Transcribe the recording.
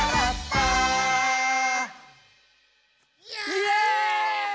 イエーイ！